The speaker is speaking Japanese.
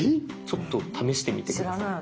ちょっと試してみて下さい。